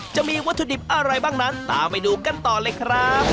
จะมีวัตถุดิบอะไรบ้างนั้นตามไปดูกันต่อเลยครับ